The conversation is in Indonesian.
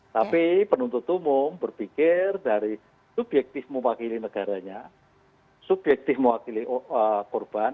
tapi penuntut umum berpikir dari subjektif mewakili negaranya subjektif mewakili korban